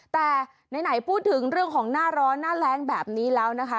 แต่ไหนพูดถึงเรื่องของหน้าร้อนหน้าแรงแบบนี้แล้วนะคะ